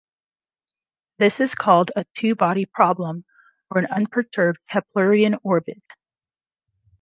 This is called a two-body problem, or an unperturbed Keplerian orbit.